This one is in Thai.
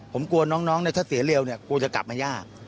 ผมกลัวน้องถ้าเสียเร็วเนี่ยกลัวจะกลับมายาก